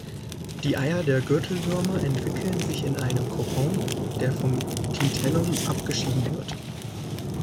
Die Eier der Gürtelwürmer entwickeln sich in einem Kokon, der vom Clitellum abgeschieden wird.